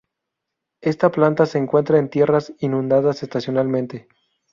Esta planta se encuentra en tierras inundadas estacionalmente.